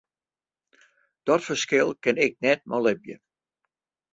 Dat ferskil kin ik net mei libje.